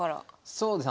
そうです。